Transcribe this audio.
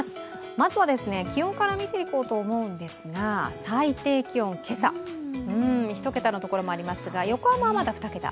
まずは気温から見ていこうと思うんですが、最低気温、今朝１桁のところもありますが、横浜はまだ２桁。